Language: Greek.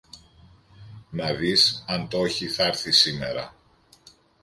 να δεις αν το ’χει να έρθει σήμερα